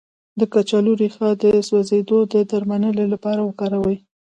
د کچالو ریښه د سوځیدو د درملنې لپاره وکاروئ